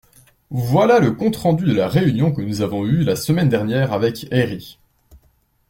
Voilà le compte-rendu de la réunion que nous avons eu la semaine dernière avec Herri.